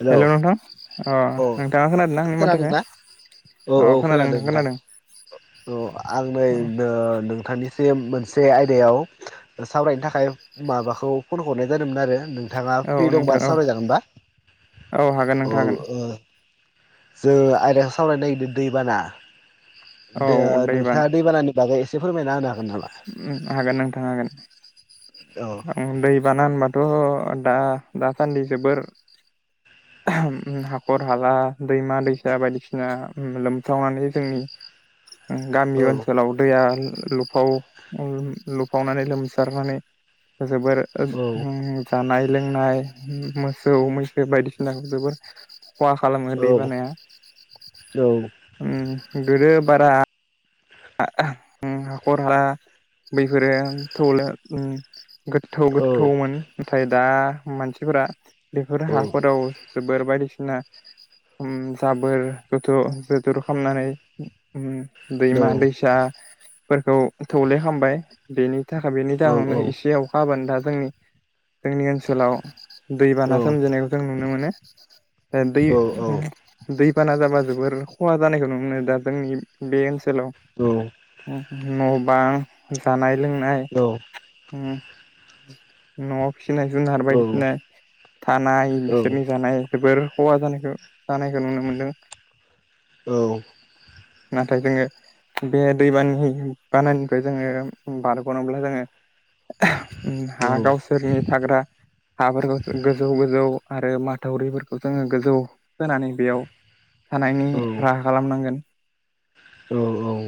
Hello hello नोंथां अ अ नोंथाङा खोनादोंना? आंनि माथोखो । औ औ खोनादों नोंथां। औ आं नै औ नोंथांनि मोनसे आयदायाव सावरायनो थाखाय माबाखौ फन हरनाय जादोंमोन आरो नों थाङा औ फ्रि दंबा नोंथां औ सावराय जागोन बा? औ हागोन नोंथा हागोन। जोंङो आयदाखौ सावरायनो नागिरदों दैबाना औ ओ दैबाना नोंथाङा दैबानानि बागै एसे फोरमायना होनो हागो? हागोन नोंथां हागोन। औ आं दै बाना होनबाथ' दा दासान्दि जोबोर हाखर-हाला दैमा दैसा बायदिसिना लोमसावनानै जोंनि औ गामि ओनसोलाव दैया ल लुफाव लुफावनानै लोमसारनानै। जोबोर औ ओम जानाय लोंनाय मोसौ मैसो बायदिसिनाखौ जोबोर खहा खालामो औ दै बानाया औ ओम गोदो बारा हाखर हाला बैफोरो थौले गोथौ गोथौमोन नाथाय दा मानसिफोरा बेफोर हाफोराव जोबोर बायदिसिना जाबोर जथुर खालामनानै औ दैमा दैसाफोरखौ थौलेखामबाय बेनि थाखाय बेनि औ जाहोनावनो एसे अखा हाबोन दा जोंनि जोंनि ओनसोलाव औ दैबाना सोमजिनायखौ जों नुनो मोनो। दै दै बाना जाबा जोबोर खहा जानायखौ नुनो मोनो दा जोंनि बे ओनसोलाव औ। न' बां जानाय लोंनाय न' फिनाय जुनार बायदिसिना थानाय बिसोरनि जानाय जोबोर खहा जानायखौ जानायखौ नुनो मोनदों। औ। नाथाय जोङो बे दैबानि बानानिफ्राय जोङो बारग'नोब्ला जोङो। हा गावसोरनि थाग्रा हाफोरखौ गोजौ गोजौ आरो माथावरिफोरखौ जोङो गोजौ खोनानै बेयाव थानायनि राहा खालामनांगोन औ औ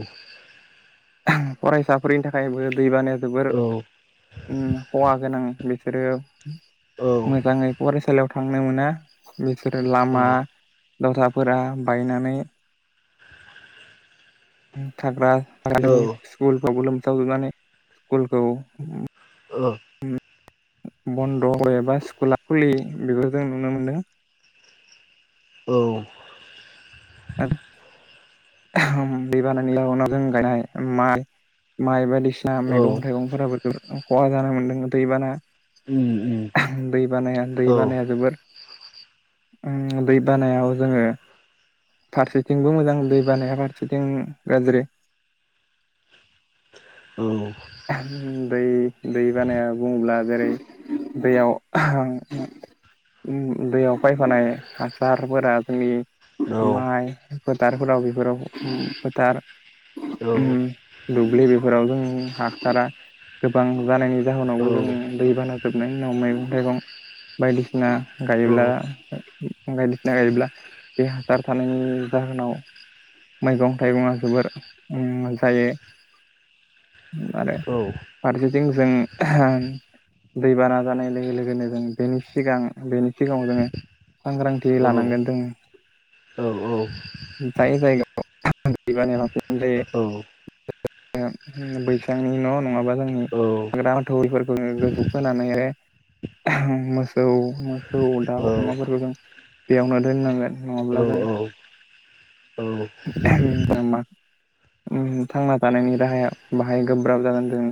फरायसाफोरनि थाखायबो दैबानाया औ उम औ जोबोर खहा गोनां बेसो रो मोजाङै फरायसालियाव थांनो मोना बेसोरो लामा दथाफोरा बायनानै थाग्रा गामिनि स्कुलखौबो लोमसावजोबनानै स्कुलखौ औ बन्द' एबा स्कुला खुलियै बेखौ जों नुनो मोनदों औ दै बानानि जाउनाव जों गायनाय माइ माइ बायदिसिना ना मैगं थाइगंफोराबो खहा जानाय मोनदों दैबाना दै बानाया दै बानाया जोबोर दै बानायाव जोङो फारसेथिंबो मोजां दै बानाया फारसेथिं गाज्रि औ। दै दै बानाया बुङोब्ला जेरै दैयाव दैयाव फायफानाय हासारफोरा जोंनि माइ फोथारफोराव बेफोराव फोथार दुब्लि बेफोराव जों हासारा गोबां जानायनि जाहोनावबो जों दै बाना जोबनायनि उनाव मैगं थाइगं बायदिसिना गायोब्ला बायदिसिना गायोब्ला बे हासार थानायनि जाहोनाव मैगं थाइगङा जोबोर जायो आरो फारसेथिं जों दैबाना जानाय लोगो लोगोनो जों बेनि सिगां बेनि सिगाङाव जोङो सांग्रांथि औ लानांगोन जोङो औ जाय जायगायाव दैबानाया [inaudible] औ। [inaudible] बैसांनि न नङाबा जोंनि हाग्रा माथौरिफोरखौ गोजौ खोनानै मोसौ मोसौ दाउ औ अमाफोरखौ जों बेयावनो दोननांगोन नङाब्ला जों [inaudible] मा थांना थानायनि राहाया बाहाय गोब्राब जागोन जों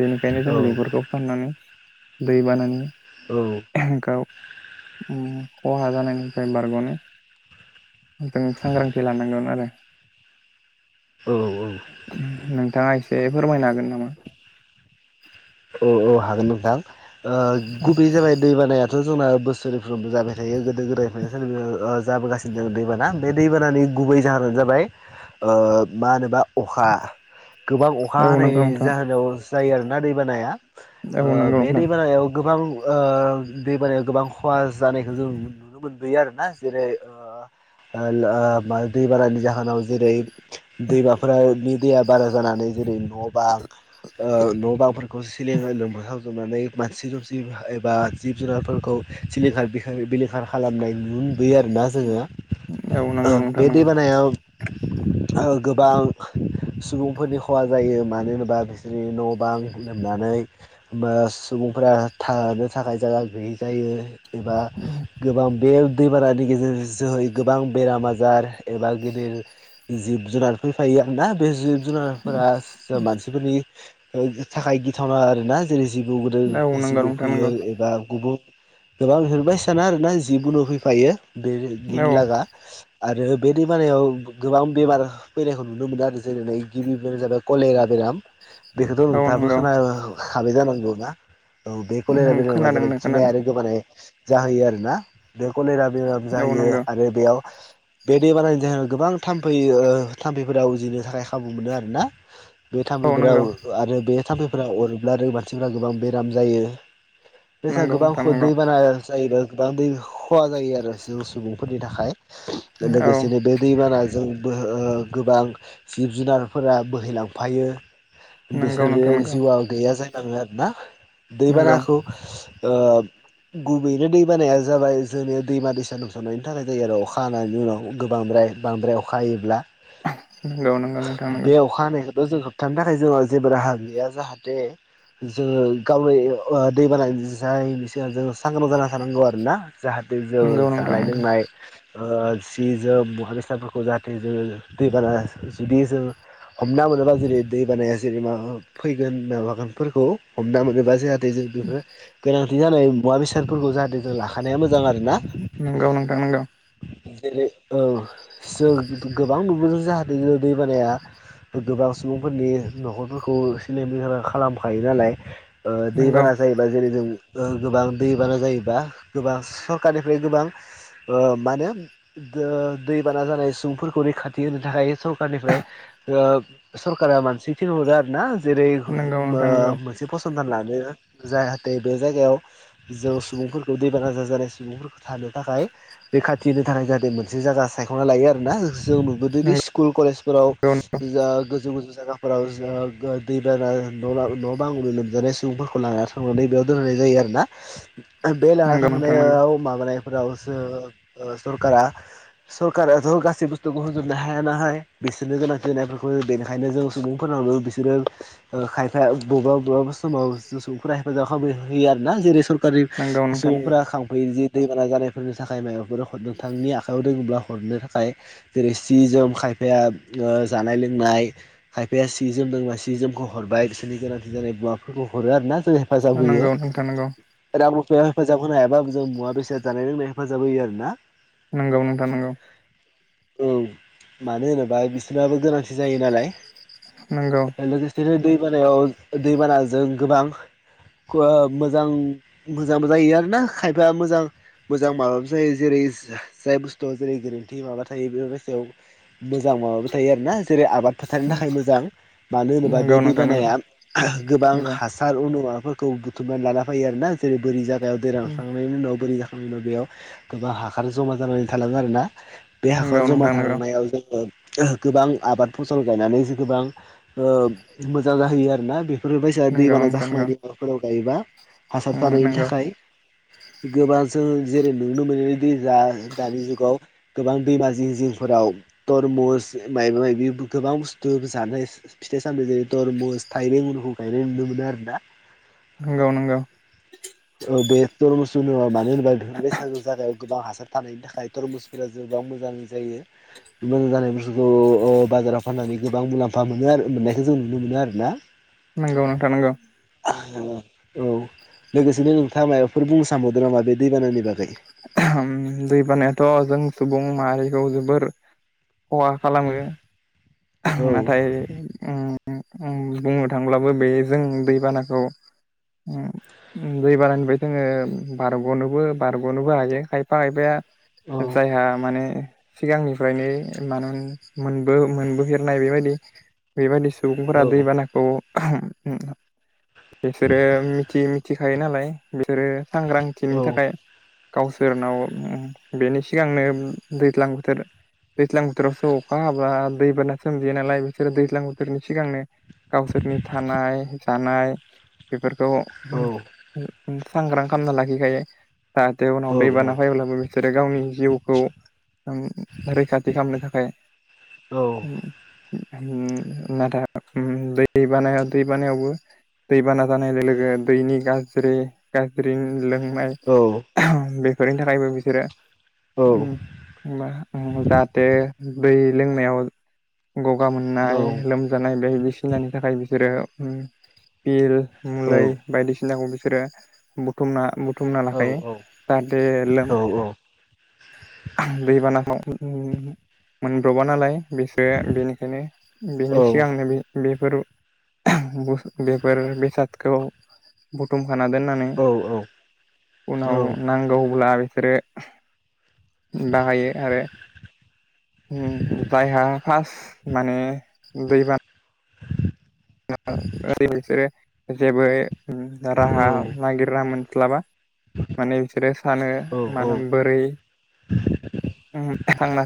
बेनिखायनो जों बेफोरखौ फाननानै दै बानानि गाव उम खहा जानायनिफ्राय बारगनो जों सांग्रांथि लानांगोन आरो औ औ। नोंथाङा एसे फोरमायनो हागोन नामा? औ हागोन नोंथां ओ गुबैयै जाबाय दै बानाया थ जोंना बोसोरफ्रोमबो जाबाय थायो गोदो गोदायनिफ्रायनो सोरबा जाबोगासिनो दों दैबाना बे दैबानानि गुबै जाहोनानो जाबाय ओ मा होनोबा अखा गोबां अखा औ नंगौ हानायनि नोंथां जाहोनाव जायो आरोना दैबानाया ओ औ नंगौ बे नोंथां दैबानायाव गोबां ओ दैबानायायाव गोबां खहा जानायखौ जों नुनो मोनबोयो आरोना जेरै ओ ओ लो मा दैबानानि जाहोनाव जेरै दैमाफोरानि दैया बारा जानानै जेरै न बां न बांफोरखौ सिलिं ओ लोमसाव होजोबनानै मानसि दुमसि एबा जिब जुनारफोरखौ सिलिंखार बिलिंखार खालामना नुनदोयो आरोना औ जोङो नंगौ नोंथां बे नंगौ दैबानायाव ओ गोबां सुबुंफोरनि खहा जायो मानो होनोबा बिसोरनि न बां लोमनानै होमबा सुबुंफोरा थानो थाखाय जायगा गैयि जायो एबा गोबां बे दैबानानि गेजेर जोहै गोबां बेराम आजार एबा गेदेर जिब जुनार फैफायो आंना बे जिब जुनारफोरा मानसिफोरनि थाखाय गिथावना आर ना जेरै जिबौ औ गोदोर नंगौ जिबौ नोंथां फैयो एबा गुबुन गोबां बिबायसाना आरोना जिबु उनु फैफायो बे गिनो नंगौ औ लागा आरो बे दैबानायाव गोबां बेमार फैनायखौ नुनो मोनो आरो जेरै गिबि बेरामा जाबाय कलेरा बेराम राम बे औ नोंथाङाबो नंगौ खोनाखाबाय जानांगौ ना औ बे उम कलेरा बेरामा खोनादों जाबाय नों खिनाय खोनादों आरो गोबानाय जाहोयो आरोना बे कलेरा बेराम औ जाहैयो नंगौ आरो बेयाव बे दै बानायनि थाखाय गोबां थामफै ओ थाम्फैफोरा उजिनो थाखाय खाबु मोनो आरोना बे औ थाम्फैफोरा नंगौ आरो बे थाम्फैफोरा अरब्लानो मानसिफोरा गोबां बेराम जायो बेसा गोबां दैबाना जायो गोबां दै खहा जायो आरो जों सुबुं फोरनि थाखाय लोगोसेनो बे दैबाना जों बोहै ओ गोबां जिब जुनारफोरा बोहैलांफायो बे नंगौ नोंथां सोरो नंगौ जिउआ गैया जायलाङो आरोना दैबानाखौ गुबैनो दै बानाया जाबाय जोंनि दैमा दैसा लोमसारनायनि थाखाय जायो आरो अखा हानायनि उनाव गोबां फ्राय बांद्राय अखा हायोब्ला नंगौ नंगौ नोंथां नंगौ बो जों होबथानो थाखाय जोंहा जेबो राहा गैया जाहाथे जोङो गावनि ओ दैबाना जायिनि सिगां जों सांग्रां जाना थानांगौ आरो ना जाहाथे जों नंगौ नंगौ नोंथां जानाय लोंनाय ओ सि जोम मुवा बेसादफोरखौ जाहाथे जोङो दैबाना जुदि जों हमना मोनोबा जेरै दैबानाया जेरै माबा फैगोन माबागोनफोरखौ हमना मोनोबा जाहाथे जों बेफोर गोनांथि जानाय मुवा बेसाद फोरखौ जाहाथे जों लाखानाया मोजां आर ना नंगौ जेरै औ जों गोबां नुबोदों जाहाथे दैबानाया गोबां सुबुंफोरनि न'खरफोरखौ सिलिंखार खालामखायो नालाय? ओ दैबाना जायोबा जेरै जों ओ गोबां दैबाना जायोबा गोबां सरखारनिफ्राय गोबां ओ मा होनो दैबाना जानाय सुबुंफोरखौ रैखाथि होनो थाखाय सरखारनिफ्राय ओ सरकारा मानसि थिन हरो आरो ना? जेरै नंगौ मो नोंथां नंगौ मोनसे फसंथान लानो जाहाथे बे जायगायाव जों सुबुंफोरखौ बेमार आजार जानाय सुबुंफोरखौ थानो थाखाय रैखाथि होनो थाखाय जाहाथे मोनसे जायगा सायख'ना लायो आरोना जों नुबोदोंदि स्कुल कलेजफोराव जा गोजौ गोजौ जायगाफोराव जा ओ दैबाना न बां न' बांनि लोमजानाय सुबुंफोरखौ लानानानै थांनानै बेयाव दोनहनाय जायो आरोना बे लाना नंगौ नोंथां नंगौ थांनायाव माबानायफोरावसो ओ सरकारा सरकाराथ' गासै बुस्थुखौ होजोबनो हाया नाहाय बिसोरनो गोनांथि जानायफोरखौ बेनिखायनो जों सुबुंफोर नावनो बिसोरो ओ खायफाया बबेबा बबेबा समाव जों सुबुंफोरा हेफाजाब खालाम होयो आरोना जेरै स- रकारि नंगौ सुबुंफ्रा खांफैयो जे दैबाना जानायफोरनि थाखाय माबाफोर हर नोंथांनि आखायाव दोङ्ब्ला हरनो थाखाय जेरै सि जोम खाय फाया ओ जानाय लोंनाय खायफाया सि जोम दोंबा सि जोमखौ हरबाय बिसोरनि गोनांथि जानाय मुवाफोरखौ हरो आरो ना हेफाजाब होयो। नंगौ नोंथां नंगौ नोंथां नंगौ रां रु फायाव हेफाजाब होनो हायाबाबो जों मुवा बेसाद जानाय लोंनाय हेफाजाब होयो आर ना नंगौ नोंथां नंगौ। औ मानो होनोबा बिसनाबो गोनांथि जायो नालाय? नंगौ। जेरै दै बानायाव दैबानाजों गोबां ओ मोजां मोजांबो जायो आरोना खायफाया मोजां मोजां माबाबो जायो जेरै जाय बुस्थुआव जेरै गोरोन्थि माबा थायो बेफोर सायाव मोजां माबाबो थायो आरोना जेरै आबाद फोथारनो थाखाय मोजां मानो होनोबा बे दैबानाया गोबां हासार माफोरखौ बुथुमनानै लाना फैायो आरोना जेरै बोरै जागायाव दै रानखांनायनि उनाव बोरै जा उनाव बेयाव गोबां हासार जमा जानानै थलाङो आरो ना? बे हासार नंगौ नोंथां नंगौ नोंथां नंगौ नोंथां नंगौ जमा नोंथां नंगौ नोंथां नंगौ थांलांनायाव जोङो गोबां आबाद फसल गायनानै जे गोबां ओ मोजां जाहैयो आरोना बेफोर बायसा नंगौ दैबाना नोंथां नंगौ जाखांनायनि माबाफोराव गायोबा। हासार उम थानायनि नंगौ थाखाय। गोबां जों जेरै नुनो मोनो दै जा दानि जुगाव गोबां दैमा जिं जिंफोराव तरमुस माबा माबि गोबां बुस्थु जानाय फिथाइ सामथाइ जेरै तरमुस थाइबें गुनहु गायनाय नुनो मोनो आरोना? नंगौ नंगौ। [unintelligible] थानायनि थाखाय थरमुसफोरा जोबां मोजां जायो। मोजां जानाय बुस्थुखौ ओ बाजाराव फाननानै गोबां मुलाम्फा मोनो आरो मोननायखौ जों नुनो मोनो आरो ना? नंगौ नोंथां नंगौ औ लोगोसेनो नोंथाङा माबाफोर बुंनो सानबावदों नामा बे दै बानानि बागै? उम दै बानायाथ' जों सुबुं माहारिखौ जोबोर खहा खालामो। औ नाथाय उम बुंनो थांब्लाबो बे जों दैबानाखौ उम दै बानानिफ्राय जोङो बारग'नोबो बारग'नोबो हायो। खायफा औ खायफाया जायहा माने सिगांनिफ्रायनो मानो मोनबो मोनबो गोरनाय बेबायदि बेबायदि औ सुबुंफोरा दैबानाखौ बिसोरो मिथि मिथिखायो नालाय बिसोरो औ सांग्रांथिनि थाखाय गावसोरनाव बेनि सिगांनो दैज्लां बोथोर दैज्लां बोथोरावसो अखा हाबा दैबाना सोमजियो नालाय बिसोरो दैज्लां बोथोरनि सिगांनो गावसोरनि थानाय जानाय बेफोर बे खौ सांग्रां खालामना लाखिखायो जाहाथे उनाव औ दैबाना फैब्लाबो बिसोरो गावनि जिउखौ रैखाथि खालामनो थाखाय औ नाथाय दै बानाया दै बानायावबो दैबाना जानाय लोगो दैनि गाज्रि गाज्रि लों बेफोरनि थाखायबो बिसोरो औ [unintelligible] जाहाथे दै लोंनायाव गगा मोननाय लोमजानाय बायदिसिनानि थाखाय बिसोरो बिल औ मुलै बायदिसिनाखौ बिसोरो बुथुमना बुुम बुथुमना लाखायो जाहाथे लोम औ दैबानाफ्राव मोनब्रबा नालाय बेसोरो बेनिखायनो बेनि औ सिगांनो बे बेफोर बेसादखौ बुथुम होखाना दोननानै औ उनाव नांगौब्ला। बिसोरो बाहायो आरो। जायहा फार्स्ट माने दैबाना ओरै बिसोरो जेबो राहा नागिर रा मोनस्लाबा माने बिसोरो सानो मानो बोरै [inaudible] आंना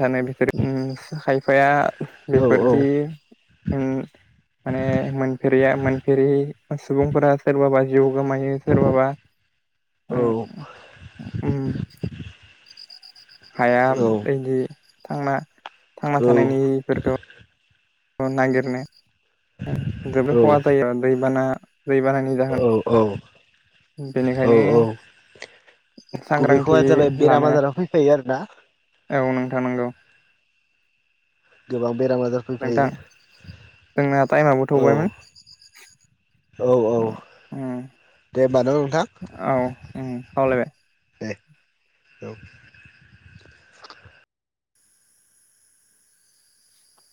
थानाय बेफोर खायफाया बेफोरदि माने मोनफेर मोनफेरै सुबुंफोरा सोरबाबा जिउ गोमायो सोरबाबा उ उ हाया बादि थांना थांना थानायनिफोरखौ। नागिरनो जोबोद खहा जायो दैबाना दैबानानि जाहोन बेनिखायनो गुबै सांग्रांथि खहायानो जाबाय बेराम लानाया आजारा फैफायो आरोना औ नोंथां नंगौ। गोबां बेराम आजार नोंथां फैफायो जोंना टाइमाबो औ थौबायमोन औ औ दे होनबा न' नोंथां औ दे [unintelligible] औ